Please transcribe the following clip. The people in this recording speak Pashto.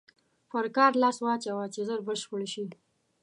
پر کار لاس واچوه چې ژر بشپړ شي.